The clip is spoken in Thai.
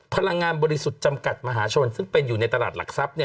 พลังงานบริสุทธิ์จำกัดมหาชนซึ่งเป็นอยู่ในตลาดหลักทรัพย์